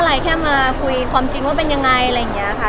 อะไรแค่มาคุยความจริงว่าเป็นยังไงอะไรอย่างนี้ค่ะ